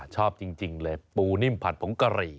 ชอบจริงเลยปูนิ่มผัดผงกะหรี่